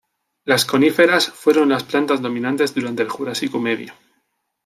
Las coníferas fueron las plantas dominantes durante el Jurásico Medio.